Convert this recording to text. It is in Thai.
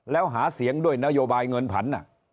แล้วหาเสียงด้วยนโยบายเงินผัน